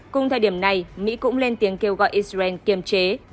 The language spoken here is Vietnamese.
cùng thời điểm này mỹ cũng lên tiếng kêu gọi israel kiềm chế